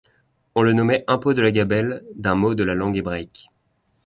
On le nommait impôt de la gabelle, d'un mot de la langue hébraïque.